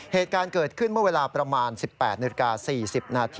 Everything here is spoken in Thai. เหตุการณ์เกิดขึ้นเมื่อเวลาประมาณ๑๘๔๐น